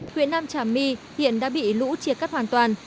huyện nam trà my hiện đã bị lũ chia cắt hoàn toàn